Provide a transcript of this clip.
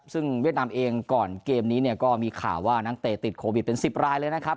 ซึ่งเวียดนามเองก่อนเกมนี้เนี่ยก็มีข่าวว่านักเตะติดโควิดเป็น๑๐รายเลยนะครับ